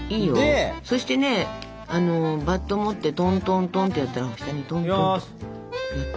そしてねバット持ってトントントンってやったら下にトントンって。